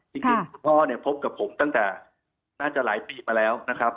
ที่เห็นคุณพ่อพบกับผมตั้งแต่น่าจะหลายปีมาแล้วนะครับ